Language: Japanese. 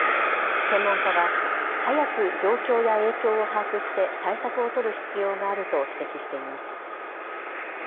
専門家は早く状況や影響を把握して対策を取る必要があると指摘しています。